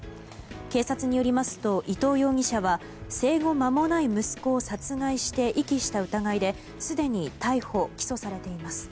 警察によりますと伊藤容疑者は生後間もない息子を殺害して遺棄した疑いですでに逮捕・起訴されています。